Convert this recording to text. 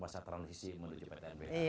masa transisi menuju ptnbh